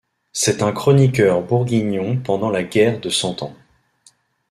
C'est un chroniqueur bourguignon pendant la guerre de Cent Ans.